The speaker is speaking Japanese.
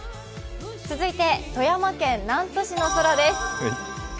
続いて富山県南砺市の空です。